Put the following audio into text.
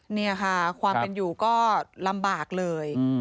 นี่ค่ะความเป็นอยู่ก็ลำบากเลย